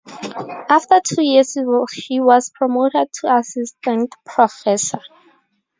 After two years, he was promoted to assistant professor.